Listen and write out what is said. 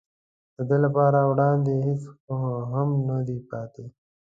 د ده لپاره وړاندې هېڅ هم نه دي پاتې.